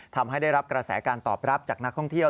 ทำให้ได้รับกระแสการตอบรับจากนักท่องเที่ยว